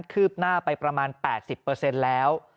ืบหน้าไปประมาณ๘๐แล้ว